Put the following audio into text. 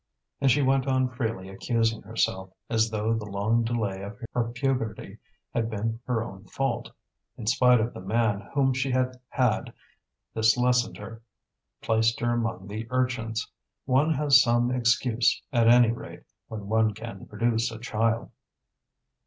And she went on freely accusing herself, as though the long delay of her puberty had been her own fault. In spite of the man whom she had had, this lessened her, placed her among the urchins. One has some excuse, at any rate, when one can produce a child.